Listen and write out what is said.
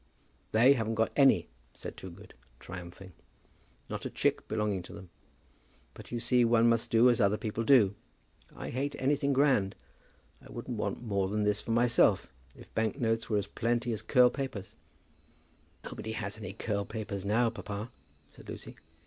"They haven't got any," said Toogood, triumphing; "not a chick belonging to them. But you see one must do as other people do. I hate anything grand. I wouldn't want more than this for myself, if bank notes were as plenty as curl papers." "Nobody has any curl papers now, papa," said Lucy.